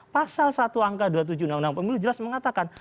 pasal satu angka dua puluh tujuh undang undang pemilu jelas mengatakan